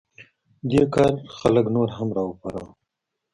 دې کار خلک نور هم راوپارول.